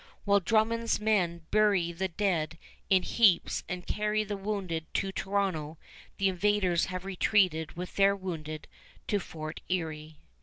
While Drummond's men bury the dead in heaps and carry the wounded to Toronto, the invaders have retreated with their wounded to Fort Erie.